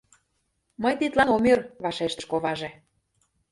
— Мый тидлан ом ӧр, — вашештыш коваже.